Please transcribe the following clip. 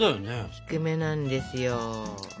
低めなんですよ。